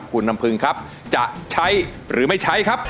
คุณลำพึงครับจะใช้หรือไม่ใช้ครับ